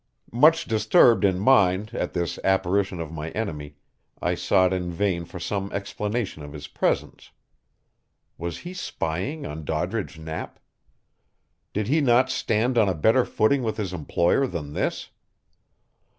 Much disturbed in mind at this apparition of my enemy, I sought in vain for some explanation of his presence. Was he spying on Doddridge Knapp? Did he not stand on a better footing with his employer than this?